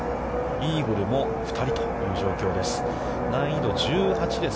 イーグルも２人という状況です。